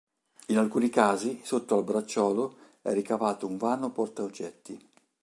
In alcuni casi sotto al bracciolo è ricavato un vano portaoggetti.